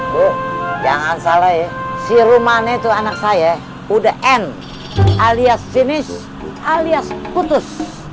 bu jangan salah ya si rumahnya itu anak saya udah n alias jenis alias putus